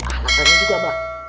alasannya juga mbae